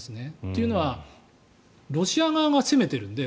というのはロシア側が攻めているので。